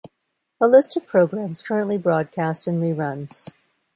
A list of programs currently broadcast in reruns.